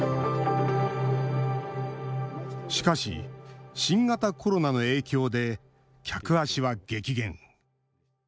しかし、新型コロナの影響で客足は激減。